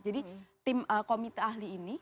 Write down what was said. jadi tim komite ahli ini